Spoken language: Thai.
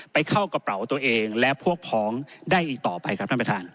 เข้ากระเป๋าตัวเองและพวกพ้องได้อีกต่อไปครับท่านประธาน